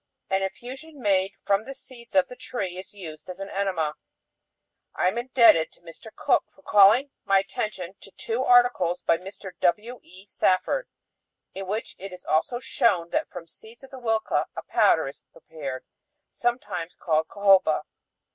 An infusion made from the seeds of the tree is used as an enema. I am indebted to Mr. Cook for calling my attention to two articles by Mr. W. E. Safford in which it is also shown that from seeds of the huilca a powder is prepared, sometimes called cohoba.